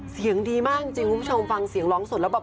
เสียงดีมากจริงคุณผู้ชมฟังเสียงร้องสดแล้วแบบ